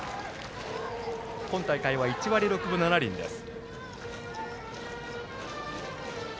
今大会は１割６分７厘です。